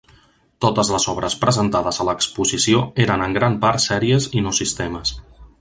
Totes les obres presentades a l'exposició eren en gran part sèries i no sistemes.